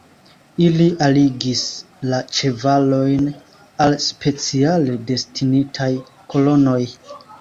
Ili alligis la ĉevalojn al speciale destinitaj kolonoj.